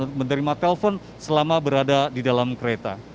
untuk menerima telpon selama berada di dalam kereta